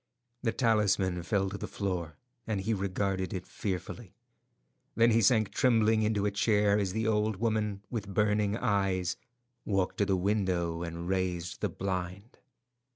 The talisman fell to the floor, and he regarded it fearfully. Then he sank trembling into a chair as the old woman, with burning eyes, walked to the window and raised the blind.